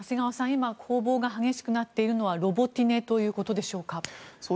今、攻防が激しくなっているのはロボティネということでしょうか。